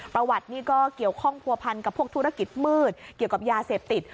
ประวัตินี่ก็เกี่ยวข้องผัวพันกับพวกธุรกิจมืดเกี่ยวกับยาเสพติด